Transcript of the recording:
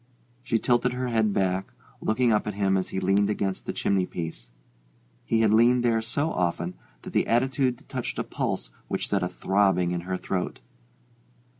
She tilted her head back, looking up at him as he leaned against the chimney piece. He had leaned there so often that the attitude touched a pulse which set up a throbbing in her throat.